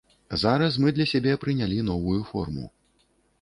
Зараз мы для сябе прынялі новую форму.